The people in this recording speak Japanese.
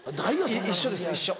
一緒です一緒。